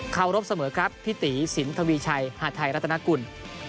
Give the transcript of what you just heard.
เขารบเสมอครับพี่ตีสินทวีชัยหาดไทยรัฐนากุล